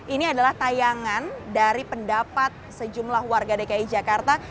ini adalah tayangan dari pendapat sejumlah warga dki jakarta